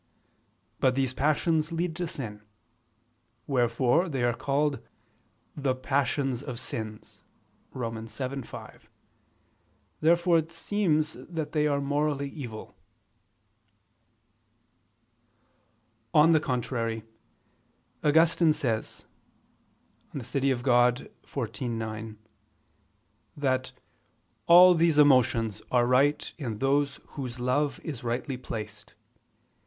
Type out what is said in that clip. But these passions lead to sin: wherefore they are called "the passions of sins" (Rom. 7:5). Therefore it seems that they are morally evil. On the contrary, Augustine says (De Civ. Dei xiv, 9) that "all these emotions are right in those whose love is rightly placed ...